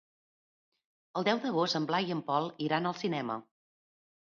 El deu d'agost en Blai i en Pol iran al cinema.